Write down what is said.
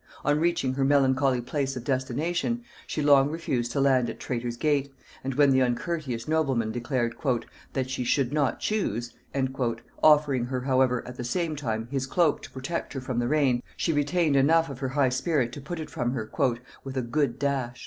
On reaching her melancholy place of destination, she long refused to land at Traitor's gate; and when the uncourteous nobleman declared "that she should not choose," offering her however, at the same time, his cloak to protect her from the rain, she retained enough of her high spirit to put it from her "with a good dash."